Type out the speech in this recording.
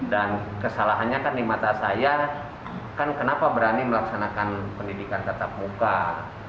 dan kesalahannya kan di mata saya kan kenapa berani melaksanakan pendidikan tatap muka